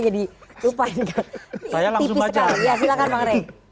ya silakan bkg